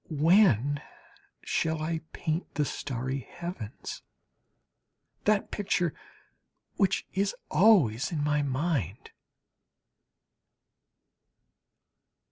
But when shall I paint the starry heavens? that picture which is always in my mind?